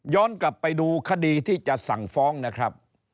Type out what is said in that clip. กลับไปดูคดีที่จะสั่งฟ้องนะครับ